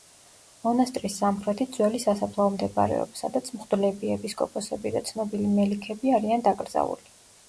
მონასტრის სამხრეთით ძველი სასაფლაო მდებარეობს, სადაც მღვდლები, ეპისკოპოსები და ცნობილი მელიქები არიან დაკრძალული.